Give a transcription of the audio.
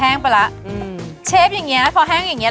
ไปแล้วอืมเชฟอย่างเงี้พอแห้งอย่างเงี้